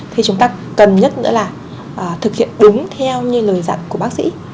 thì chúng ta cần nhất nữa là thực hiện đúng theo như lời dặn của bác sĩ